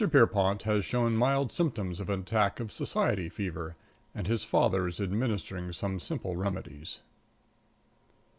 Pierrepont || has shown mild symptoms || of an attack of society || fever, and his father is || administering some simple || remedies.